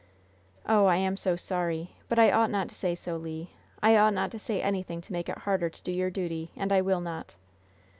"Oh, I am so sorry! But I ought not to say so, Le. I ought not to say anything to make it harder to do your duty, and I will not."